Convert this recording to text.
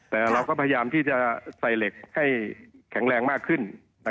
แต่เราก็พยายามที่จะใส่เหล็กให้แข็งแรงมากขึ้น